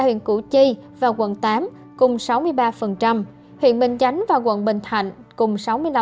huyện củ chi và quận tám cùng sáu mươi ba huyện bình chánh và quận bình thạnh cùng sáu mươi năm